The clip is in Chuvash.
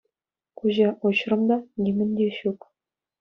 Куҫа уҫрӑм та — нимӗн те ҫук.